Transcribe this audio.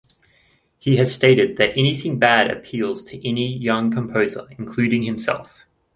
He has stated that "anything bad appeals to any young composer", including himself.